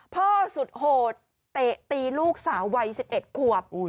สุดโหดเตะตีลูกสาววัย๑๑ขวบ